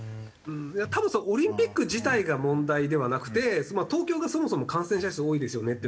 多分それオリンピック自体が問題ではなくて東京がそもそも感染者数多いですよねっていうのがあって。